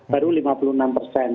baru lima puluh enam persen